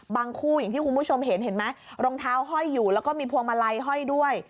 บางคู่อย่างที่คุณผู้ชมเห็นรองเท้าไฮ่อยู่แล้วก็มีพวงมาลัยไฮ่ด้วย